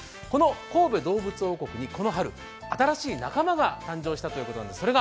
この神戸どうぶつ王国にこの春、新しい仲間が誕生したということなんです。